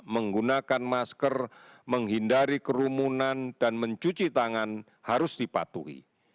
menggunakan masker menghindari kerumunan dan mencuci tangan harus dipatuhi